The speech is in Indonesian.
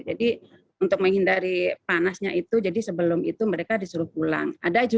jadi untuk menghindari panasnya itu jadi sebelum itu mereka disuruh pulang